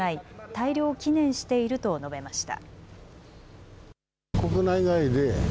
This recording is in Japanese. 大漁を祈念していると述べました。